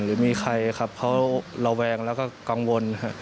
หรือมีใครครับเขาระแวงแล้วก็กังวลครับ